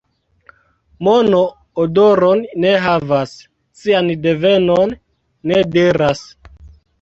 Mono odoron ne havas, sian devenon ne diras.